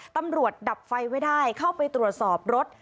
ดับไฟไว้ได้เข้าไปตรวจสอบรถ